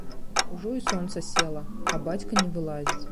Ужо і сонца села, а бацька не вылазіць.